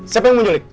siapa yang mau diculik